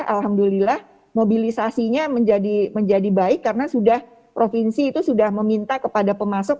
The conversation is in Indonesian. alhamdulillah mobilisasinya menjadi baik karena sudah provinsi itu sudah meminta kepada pemasok